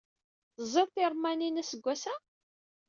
Teẓẓiḍ tiṛemmanin aseggas-a?